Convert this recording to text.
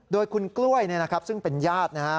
โดยคุณกล้วยเนี่ยนะครับซึ่งเป็นญาตินะฮะ